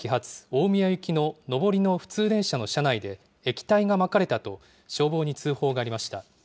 大宮行きの上りの普通電車の車内で、液体がまかれたと消防に通報がありました。